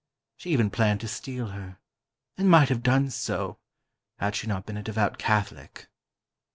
She even planned to steal her, and might have done so, had she not been a devout Catholic.